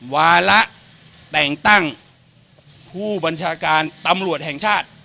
วาระแต่งตั้งผู้บัญชาการตำรวจแห่งชาติ